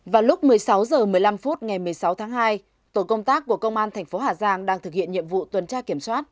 vào lúc một mươi sáu h một mươi năm phút ngày một mươi sáu tháng hai tổ công tác của công an thành phố hà giang đang thực hiện nhiệm vụ tuần tra kiểm soát